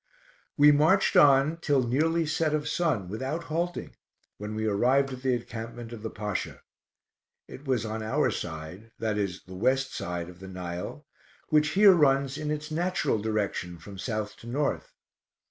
We marched on till nearly set of sun, without halting, when we arrived at the encampment of the Pasha; it was on our side [i.e. the west side] of the Nile, which here runs in its natural direction from south to north.